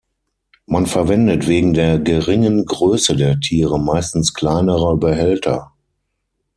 Man verwendet wegen der geringen Größe der Tiere meistens kleinere Behälter.